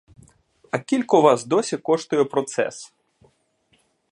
А кілько вас досі коштує процес?